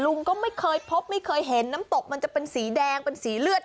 ลุงก็ไม่เคยพบไม่เคยเห็นน้ำตกมันจะเป็นสีแดงเป็นสีเลือด